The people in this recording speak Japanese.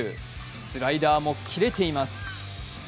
スライダーもキレています。